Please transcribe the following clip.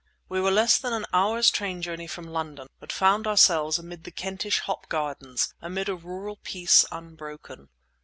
We were less than an hour's train journey from London but found ourselves amid the Kentish hop gardens, amid a rural peace unbroken.